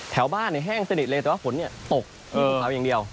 แถวบ้านเนี่ยแห้งสนิทเลยแต่ว่าฝนเนี่ยตกอยู่แถวอย่างเดียว